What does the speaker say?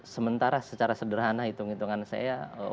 sementara secara sederhana hitung hitungan saya